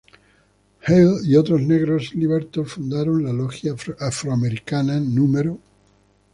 Hall y otros negros libertos fundaron la logia afroamericana No.